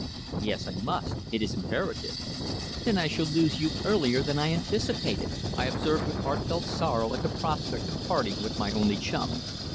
"Yes, I must. It is imperative." "Then I shall lose you earlier than I anticipated," I observed with heart felt sorrow at the prospect of parting with my only chum.